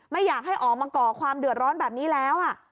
ไม่อยากให้ออกมาก่อความเดือดร้อนแบบนี้แล้ว